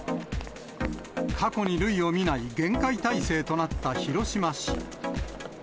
過去に類を見ない厳戒態勢となった広島市。